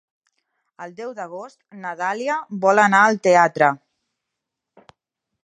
El deu d'agost na Dàlia vol anar al teatre.